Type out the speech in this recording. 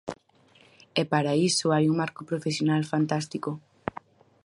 E para iso hai un marco profesional fantástico.